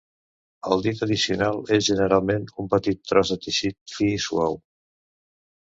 El dit addicional és generalment un petit tros de teixit fi i suau.